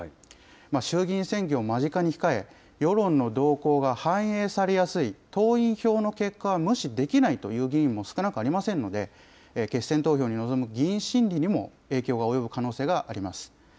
衆議院選挙を間近に控え、世論の動向が反映されやすい党員票の結果は無視できないという議員も少なくありませんので、決選投票に臨む議員心理にも影響が及ぶ可能性があります。